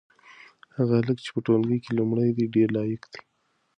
هغه هلک چې په ټولګي کې لومړی دی ډېر لایق دی.